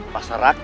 pasar rakyat ya